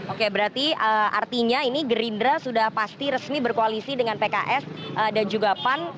oke berarti artinya ini gerindra sudah pasti resmi berkoalisi dengan pks dan juga pan